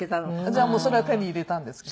じゃあもうそれは手に入れたんですか？